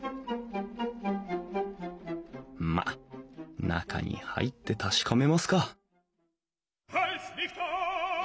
まっ中に入って確かめますか